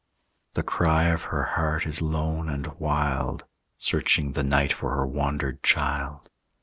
The cry of her heart is lone and wild, Searching the night for her wandered child.